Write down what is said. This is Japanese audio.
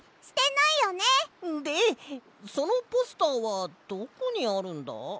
でそのポスターはどこにあるんだ？